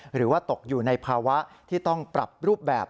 หรือว่าตกอยู่ในภาวะที่ต้องปรับรูปแบบ